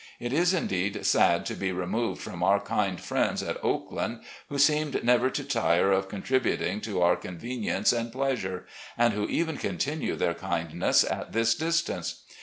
It is indeed sad to be removed from otor kind friends at ' Oakland,' who seemed never to tire of contributing to our convenience and pleasure, and who even continue their kindness at this distance.